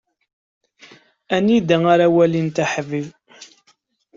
Anida ara walint aḥbib.